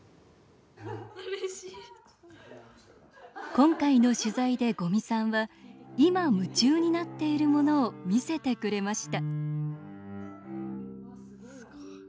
今回の取材で五味さんは今、夢中になっているものを見せてくれました